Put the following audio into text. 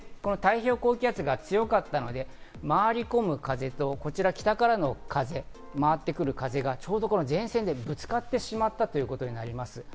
この影響で太平洋高気圧が強かったので、回り込む風と北からの風、回ってくる風がちょうど前線でぶつかってしまったということになります。